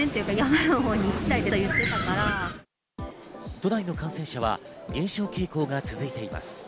都内の感染者は減少傾向が続いています。